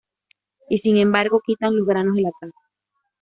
Y sin embargo quitan los granos de la cara.